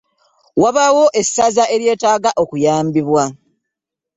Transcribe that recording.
Wabaawo essaza eryetaaga okuyambibwa.